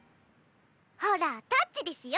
ほらタッチですよ！